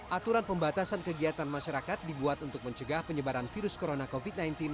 aturan pembatasan kegiatan masyarakat dibuat untuk mencegah penyebaran virus corona covid sembilan belas